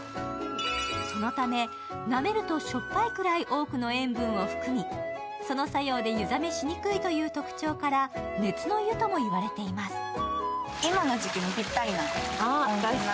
そのため、なめるとしょっぱいくらい多くの塩分を含みその作用で湯冷めしにくいという特徴から熱の湯とも言われています。